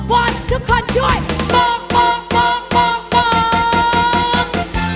ว่าทุกคนช่วยบอกบอกบอกบอกบอก